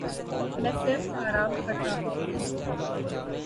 میں صرف آرام کرتا ہوں۔